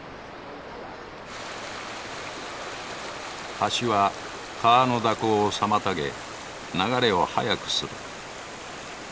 橋は川の蛇行を妨げ流れを速くする。